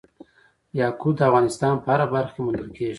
یاقوت د افغانستان په هره برخه کې موندل کېږي.